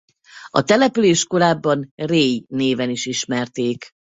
A települést korábban Ray néven is ismerték.